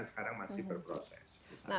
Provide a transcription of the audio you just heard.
sekarang masih berproses